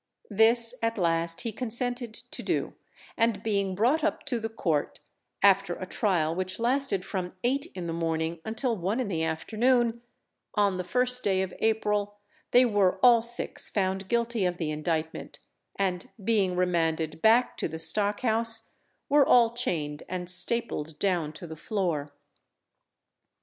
This at last he consented to do; and being brought up to the Court, after a trial which lasted from eight in the morning until one in the afternoon, on the first day of April, they were all six found guilty of the indictment, and being remanded back to the stock house, were all chained and stapled down to the floor.